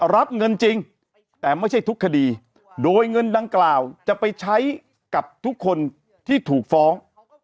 รับเงินจริงแต่ไม่ใช่ทุกคดีโดยเงินดังกล่าวจะไปใช้กับทุกคนที่ถูกฟ้อง